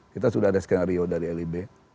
kita sudah ada skenario dari lib